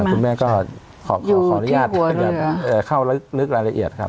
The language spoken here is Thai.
คุณแม่ก็ขออนุญาตเข้าลึกรายละเอียดครับ